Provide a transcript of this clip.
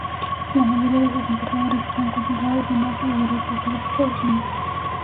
La mayoría de sus importadores están concentrados en Asia y Europa salvo Estados Unidos.